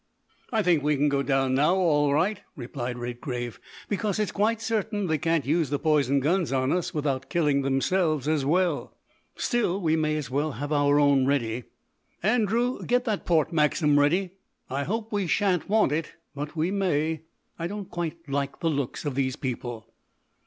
"I think we can go down now all right," replied Redgrave, "because it's quite certain they can't use the poison guns on us without killing themselves as well. Still, we may as well have our own ready. Andrew, get that port Maxim ready. I hope we shan't want it, but we may. I don't quite like the look of these people."